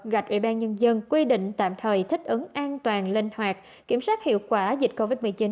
gạch ủy ban nhân dân quy định tạm thời thích ứng an toàn linh hoạt kiểm soát hiệu quả dịch covid một mươi chín